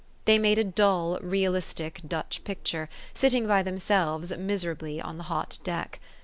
They made a dull, realistic Dutch picture, sitting by themselves, miser ably on the hot deck.